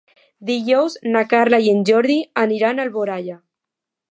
Dijous na Carla i en Jordi aniran a Alboraia.